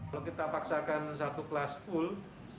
kalau kita paksakan satu kelas full